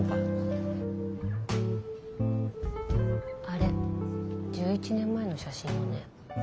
あれ１１年前の写真よね。